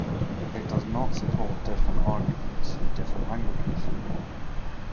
It does not support different arguments in different languages.